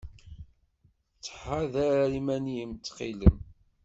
Ttḥadar iman-im, ttxil-m!